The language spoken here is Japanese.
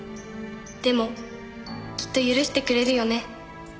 「でもきっと許してくれるよね」